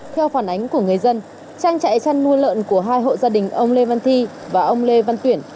theo phản ánh của người dân trang trại chăn nuôi lợn của hai hộ gia đình ông lê văn thi và ông lê văn tuyển